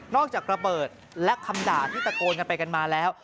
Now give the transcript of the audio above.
จากระเบิดและคำด่าที่ตะโกนกันไปกันมาแล้ว